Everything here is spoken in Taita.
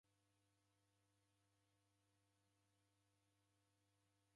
Kwawusirwa ni jesu nicha